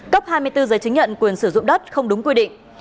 cấp hai mươi bốn giấy chứng nhận quyền sử dụng đất không đúng quy định